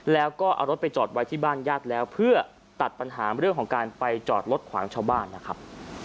แล้วก็เอารถไปจอดไว้ที่บ้านญาติแล้วเพื่อตัดปัญหาเรื่องของการไปจอดรถขวางชาวบ้านนะครับ